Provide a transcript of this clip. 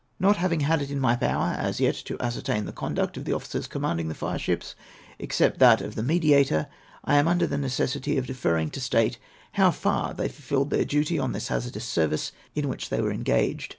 Not having had it in my power, as yet, to ascertain the conduct of the officers commanding the fireships, except that of the Mediator, I am imder the necessity of deferring to state how far they fulfilled their duty on this hazardous service in which they were engaged.